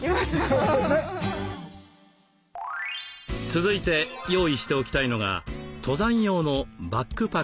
続いて用意しておきたいのが登山用のバックパックです。